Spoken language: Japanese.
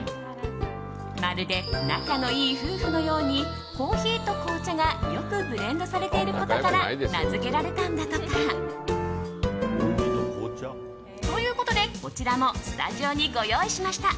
まるで仲のいい夫婦のようにコーヒーと紅茶がよくブレンドされていることから名付けられたんだとか。ということでこちらもスタジオにご用意しました。